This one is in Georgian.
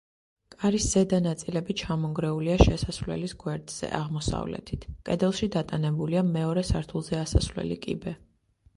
კარის ზედა ნაწილები ჩამონგრეულია შესასვლელის გვერდზე, აღმოსავლეთით, კედელში დატანებულია მეორე სართულზე ასასვლელი კიბე.